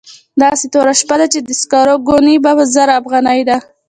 داسې توره شپه ده چې د سکرو ګونۍ په زر افغانۍ ده.